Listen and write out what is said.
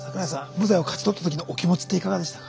無罪を勝ち取ったときのお気持ちっていかがでしたか？